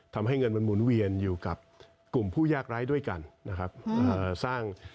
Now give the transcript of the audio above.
ทำให้เงินมันหมุนเวียนอยู่กับกลุ่มผู้ยากร้ายด้วยกันนะครับสร้าง